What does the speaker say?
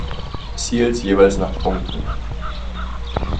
Seals jeweils nach Punkten.